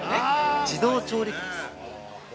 自動調理器です。